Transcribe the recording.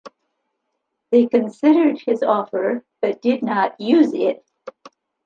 They considered his offer, but did not use it.